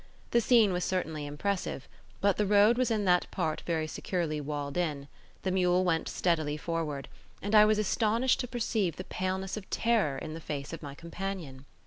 The scene was certainly impressive; but the road was in that part very securely walled in; the mule went steadily forward; and I was astonished to perceive the paleness of terror in the face of my companion.